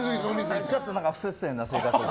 ちょっと不摂生な生活を。